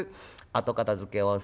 後片づけをする。